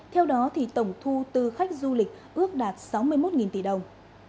theo đó tổng thu tư khách du lịch ước đạt sáu mươi một tỷ đồng